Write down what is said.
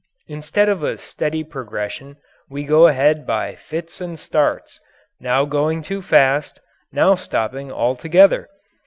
Instead of a steady progression we go ahead by fits and starts now going too fast, now stopping altogether.